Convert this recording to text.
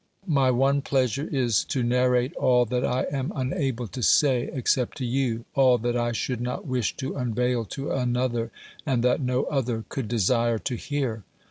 My one pleasure is to narrate all that I am unable to say except to you, all that I should not wish to unveil to another, and that no other could desire to hear.